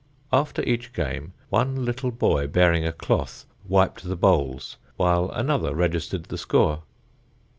After each game one little boy bearing a cloth wiped the bowls while another registered the score.